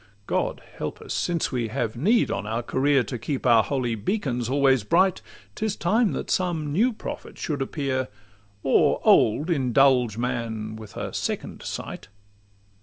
God help us! Since we have need on our career To keep our holy beacons always bright, 'Tis time that some new prophet should appear, Or old indulge man with a second sight.